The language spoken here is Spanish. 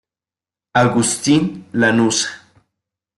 Agustín Lanuza.